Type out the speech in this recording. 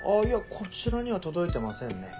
こちらには届いてませんね。